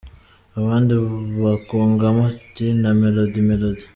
Abandi bakungamo bati “Ni Melody, Melody….